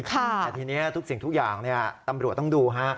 ทีนี้ทุกสิ่งต้องดู